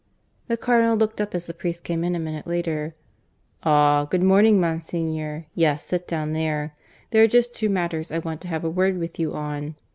The Cardinal looked up as the priest came in a minute later. "Ah! good morning, Monsignor. Yes, sit down there. There are just two matters I want to have a word with you on.